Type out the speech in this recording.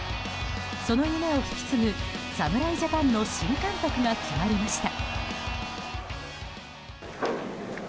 その夢を引き継ぐ侍ジャパンの新監督が決まりました。